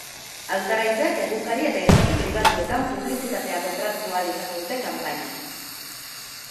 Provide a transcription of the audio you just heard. Hautagaitzek egunkari eta irrati pribatuetan publizitatea kontratatu ahal izango dute kanpainan.